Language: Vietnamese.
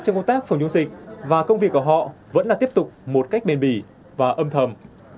trong công tác phòng chống dịch và công việc của họ vẫn đang tiếp tục một cách bền bỉ và âm thầm